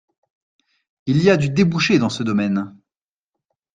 Il y a du débouché dans ce domaine.